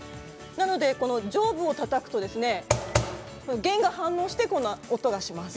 なので上部をたたくとですね弦が反応して音がします。